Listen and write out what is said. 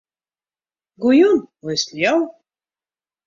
Goejûn, hoe is 't mei jo?